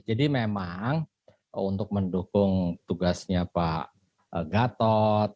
jadi memang untuk mendukung tugasnya pak gatot